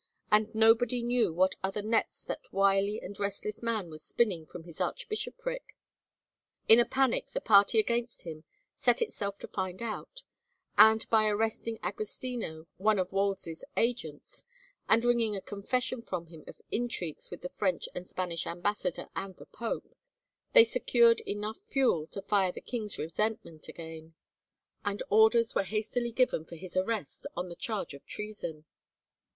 And nobody knew what other nets that wily and restless man was spinning from his archbish opric ! In a panic the party against him set itself to find out, and by arresting Agostino, one of Wolsey's agents, and wringing a confession from him of intrigues with the French and Spanish ambassador and the pope, they secured enough fuel to fire the king's resentment again and orders were hastily given for his arrest on the charge of treason.